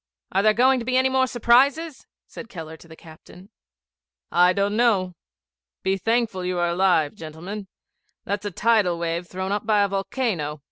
'Are there going to be any more surprises?' said Keller to the captain. 'I don't know. Be thankful you are alive, gentlemen. That's a tidal wave thrown up by a volcano.